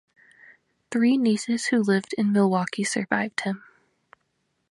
Three nieces who lived in Milwaukee survived him.